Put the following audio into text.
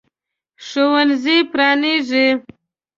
ښوونځی پرانیزي.